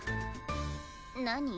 何？